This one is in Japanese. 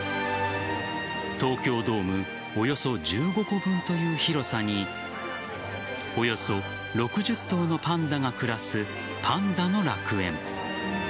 東京ドームおよそ１５個分という広さにおよそ６０頭のパンダが暮らすパンダの楽園。